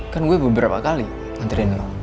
kan gue beberapa kali nantikan lu